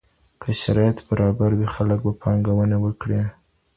که شرایط برابر وي خلګ به پانګونه وکړي.